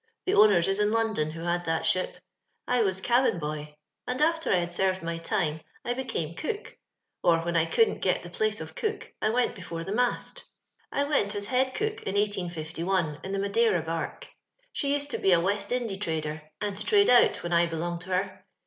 The owners is in London who had that ship. I was cabin boy ; ond after I had 6cr\'ed my time I be came cook, or when I couldn't get the place of cook I went before tho mast I went as head cook in iHSl.in tho Madnra barque; she used to be a West Indy trader, and to trade oat when I belonged to her.